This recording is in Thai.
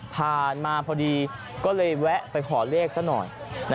ผ่านมาพอดีก็เลยแวะไปขอเลขซะหน่อย